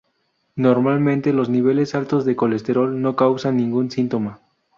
Normalmente, los niveles altos de colesterol no causan ningún síntoma.